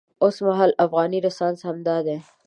اوسمهالی افغاني رنسانس همدا دی.